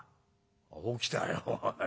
「起きたよおい。